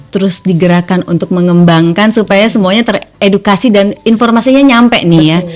terus digerakkan untuk mengembangkan supaya semuanya teredukasi dan informasinya nyampe nih ya